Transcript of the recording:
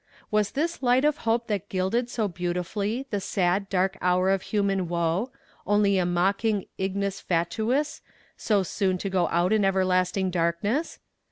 Was this light of hope that gilded so beautifully the sad, dark hour of human woe, only a mocking ignis fatuus, so soon to go out in everlasting darkness?